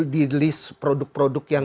di list produk produk yang